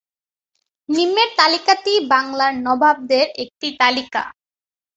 নিম্নের তালিকাটি বাংলার নবাবদের একটি তালিকা।